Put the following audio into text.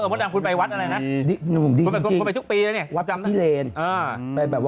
อ๋อรดน้ำคุณไปวัดอะไรนะ